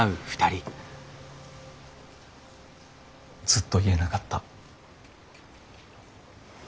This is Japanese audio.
ずっと言えなかった。